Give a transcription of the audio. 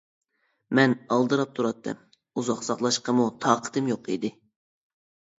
مەن ئالدىراپ تۇراتتىم، ئۇزاق ساقلاشقىمۇ تاقىتىم يوق ئىدى.